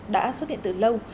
đã xuất hiện từ lâu